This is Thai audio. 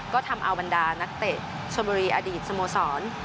ก็ทำเอาบรรดานักเตะชนบุรีอดีตสโมสร